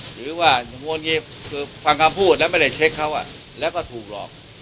หรือว่างี้คือฟังคำพูดแล้วไม่ได้เช็คเขาแล้วก็ถูกหลอก